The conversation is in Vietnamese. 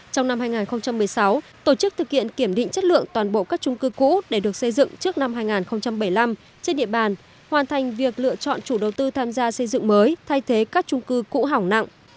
trong năm hai nghìn một mươi sáu tổ chức thực hiện kiểm định chất lượng toàn bộ các trung cư cũ để được xây dựng trước năm hai nghìn bảy mươi năm trên địa bàn hoàn thành việc lựa chọn chủ đầu tư tham gia xây dựng mới thay thế các trung cư cũ hỏng nặng